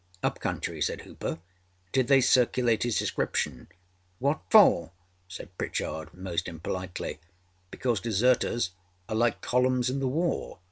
â âUp country?â said Hooper. âDid they circulate his description?â âWhat for?â said Pritchard, most impolitely. âBecause deserters are like columns in the war.